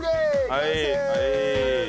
完成！